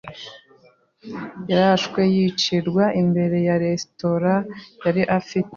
yarashwe yicirwa imbere ya resitora yari afite.